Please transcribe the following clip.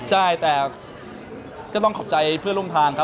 ใช่แต่ก็ต้องขอบใจเพื่อนร่วมทางครับ